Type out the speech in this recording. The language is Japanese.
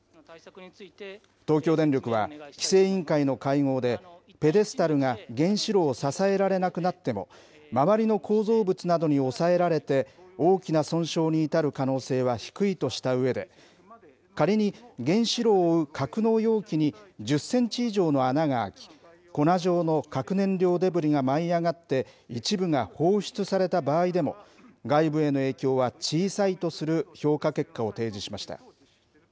東京電力は、規制委員会の会合でペデスタルが原子炉を支えられなくなっても、周りの構造物などに抑えられて、大きな損傷に至る可能性は低いとしたうえで、仮に原子炉を覆う格納容器に１０センチ以上の穴が開き、粉状の核燃料デブリが舞い上がって、一部が放出された場合でも、外部への影響は小さいとする評価結果を提示しました。